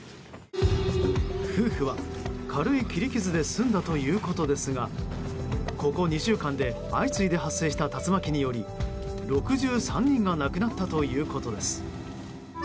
夫婦は軽い切り傷で済んだということですがここ２週間で相次いで発生した竜巻により６３人が亡くなったということです。